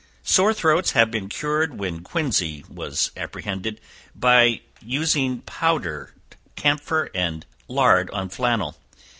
Sore throats have been cured when quinsy was apprehended, by using powdered camphor and lard on flannel.